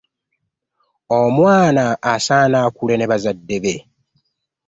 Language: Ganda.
Omwana asana akule ne bazadde be.